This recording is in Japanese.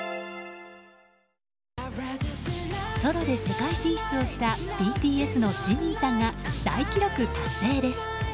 ソロで世界進出をしたＢＴＳのＪＩＭＩＮさんが大記録達成です。